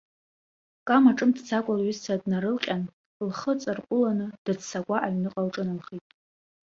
Кама ҿымҭӡакәа лҩызцәа днарылҟьан, лхы ҵарҟәыланы дыццакуа аҩныҟа лҿыналхеит.